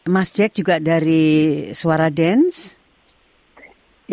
mas jack juga dari suara dance